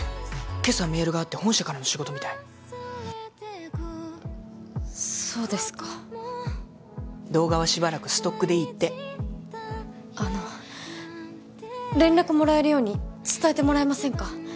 今朝メールがあって本社からの仕事みたいそうですか動画はしばらくストックでいいってあの連絡もらえるように伝えてもらえませんか？